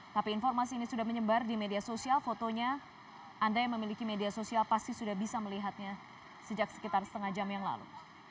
tapi informasi ini sudah menyebar di media sosial fotonya anda yang memiliki media sosial pasti sudah bisa melihatnya sejak sekitar setengah jam yang lalu